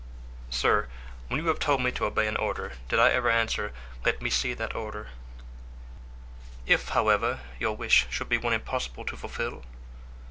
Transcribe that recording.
"Sir, when you have told me to obey an order did I ever answer, 'Let me see that order'?" "If, however, your wish should be one impossible to fulfill?"